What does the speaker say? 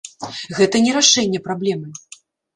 Гэта не рашэнне праблемы.